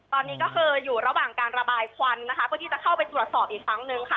ตอนนี้ก็คืออยู่ระหว่างการระบายควันนะคะเพื่อที่จะเข้าไปตรวจสอบอีกครั้งหนึ่งค่ะ